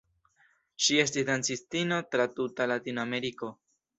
Ŝi estis dancistino tra tuta Latinameriko.